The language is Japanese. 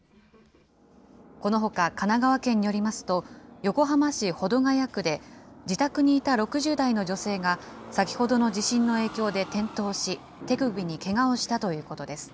このほか神奈川県によりますと、横浜市保土ケ谷区で、自宅にいた６０代の女性が先ほどの地震の影響で転倒し、手首にけがをしたということです。